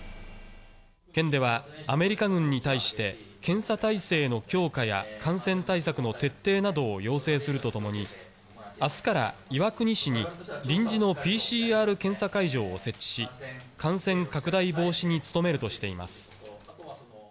県ではアメリカ軍に対して、検査体制の強化や感染対策の徹底などを要請するとともに、あすから岩国市に臨時のＰＣＲ検査会場を設置し、感染拡大防止に努めるとしています。